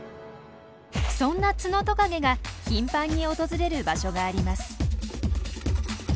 そんなツノトカゲが頻繁に訪れる場所があります。